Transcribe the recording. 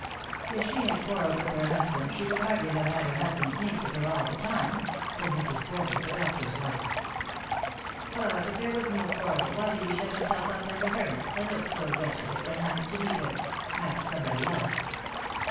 " If she had quarrelled with her husband, she would hardly have had her husband's niece with her all the time," said Mrs. Porter, the doctor's wife. " But if there was no quarrel, why did he shut himself up 340 The Fatal Three. like a hermit, and look so wretched if one happened to mee him ?" ayked somebody else.